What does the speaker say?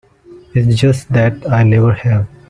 It's just that I never have.